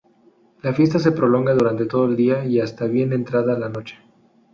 La fiesta se prolonga durante todo el día y hasta bien entrada la noche.